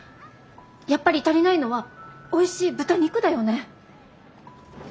やっぱり足りないのはおいしい豚肉だよね。